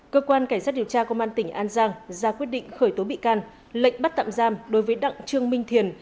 cơ quan cảnh sát điều tra công an tỉnh an giang ra quyết định khởi tố bị can lệnh bắt tạm giam đối với đặng trương minh thiền